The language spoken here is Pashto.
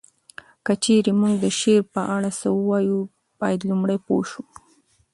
که چیري مونږ د شعر په اړه څه ووایو باید لومړی پوه شو